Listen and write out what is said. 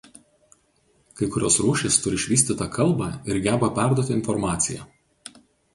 Kai kurios rūšys turi išvystytą „kalbą“ ir geba perduoti informaciją.